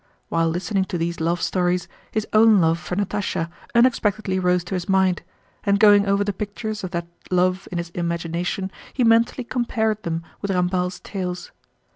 While listening to these love stories his own love for Natásha unexpectedly rose to his mind, and going over the pictures of that love in his imagination he mentally compared them with Ramballe's tales.